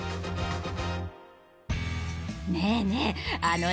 ねえねえ。